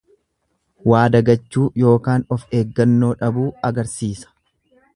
Waa dagachuu yookaan of eeggannoo dhabuu agarsiisa.